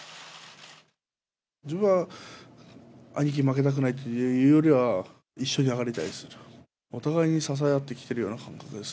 自分は兄貴に負けたくないというよりは、一緒に上がりたいです。